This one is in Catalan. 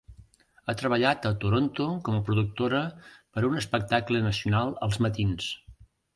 Ha treballat a Toronto com a productora per a un espectacle nacional els matins.